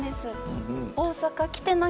大阪来てな！